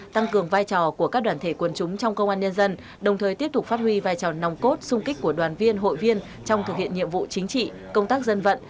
tăng cường vai trò của các đoàn thể quân chúng trong công an nhân dân đồng thời tiếp tục phát huy vai trò nòng cốt sung kích của đoàn viên hội viên trong thực hiện nhiệm vụ chính trị công tác dân vận